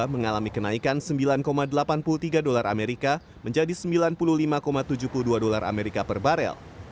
mengalami kenaikan sembilan delapan puluh tiga dolar amerika menjadi sembilan puluh lima tujuh puluh dua dolar amerika per barel